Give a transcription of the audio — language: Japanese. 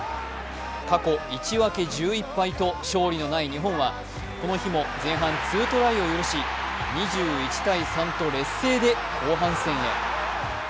過去１分け１１敗と勝利のない日本は、この日も前半、ツートライを許し２１−３と劣勢で後半戦へ。